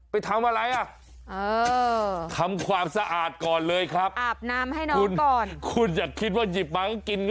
ไปทำอะไรอ่ะทำความสะอาดก่อนเลยครับคุณอย่าคิดว่าหยิบมาก็กิน